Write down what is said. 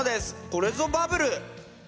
これぞバブル。